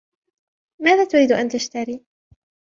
ماذا تريد أن تشتري ؟